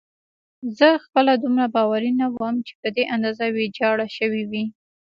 زه خپله دومره باوري نه وم چې په دې اندازه ویجاړه شوې وي.